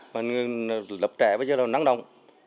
mà lập trẻ bây giờ là nắng đồng